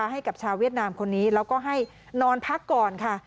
ให้กับชาวเวียดนามคนนี้แล้วก็ให้นอนพักก่อนค่ะ